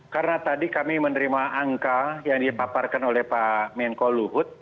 karena tadi kami menerima angka yang dipaparkan oleh pak menko luhut